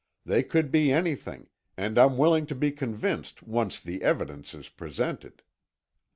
"They could be anything, and I'm willing to be convinced once the evidence is presented."